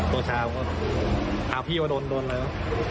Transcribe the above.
ตัวชาก็อ้าวพี่ว่าโดนโดนอะไรวะ